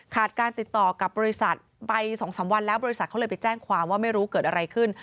การติดต่อกับบริษัทไป๒๓วันแล้วบริษัทเขาเลยไปแจ้งความว่าไม่รู้เกิดอะไรขึ้น